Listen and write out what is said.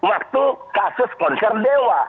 ada konser dewa